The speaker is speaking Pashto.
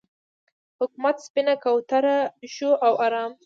حکومت سپینه کوتره شو او ارام شو.